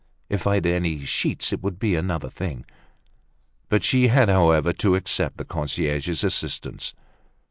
"If I'd any sheets, it would be another thing." But she had, however, to accept the concierge's assistance.